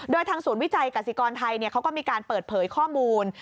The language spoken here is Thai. โดยทางศูนย์วิจัยกษิกรไทยเขาก็มีการเปิดเผยข้อมูล